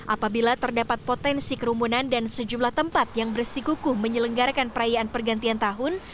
apabila terdapat potensi kerumunan dan sejumlah tempat yang bersikukuh menyelenggarakan perayaan pergantian tahun